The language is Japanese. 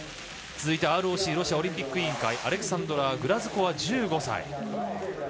続いてはＲＯＣ＝ロシアオリンピック委員会アレクサンドラ・グラズコワ１５歳。